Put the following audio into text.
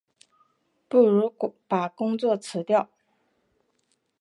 不如把工作辞掉